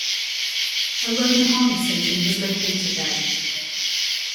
A Roman army station was located there.